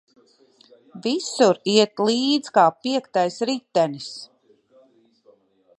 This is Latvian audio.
Visur iet līdz kā piektais ritenis.